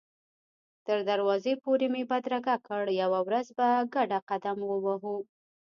تر دروازې پورې مې بدرګه کړ، یوه ورځ به په ګډه قدم هم ووهو.